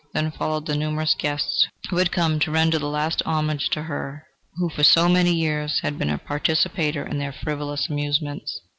Then followed the numerous guests, who had come to render the last homage to her who for so many years had been a participator in their frivolous amusements.